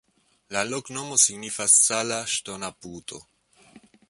La loknomo signifas: Zala-ŝtona-puto.